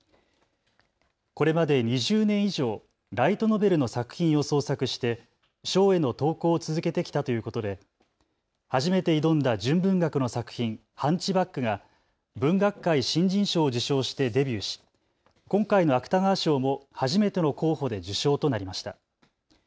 これまで２０年以上、ライトノベルの作品を創作して賞への投稿を続けてきたということで初めて挑んだ純文学の作品、ハンチバックが文學界新人賞を受賞してデビューし今回の芥川賞も初めての候補で受賞となりました。